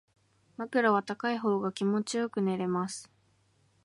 枕は高い方が気持ちよく眠れます